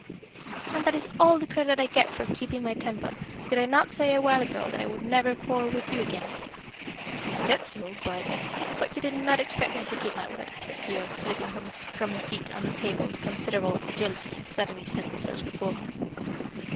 "And that is all the credit I get for keeping my temper! Did I not say a while ago that I would never quarrel with you again?" "You said so, but " "But you did not expect me to keep my word," said Keyork, slipping from his seat on the table with considerable agility and suddenly standing close before her.